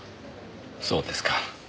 そうですか。